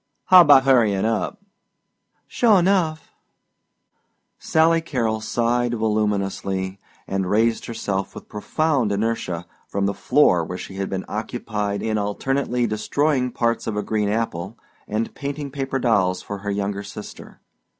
"How 'bout hurryin' up?" "Sure enough." Sally Carrol sighed voluminously and raised herself with profound inertia from the floor where she had been occupied in alternately destroyed parts of a green apple and painting paper dolls for her younger sister.